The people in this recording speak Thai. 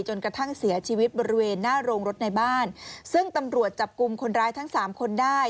จนกระทั่งเสียชีวิตบริเวณหน้าโรงรถในบ้านซึ่งตำรวจจับกลุ่มคนร้ายทั้งสามคนได้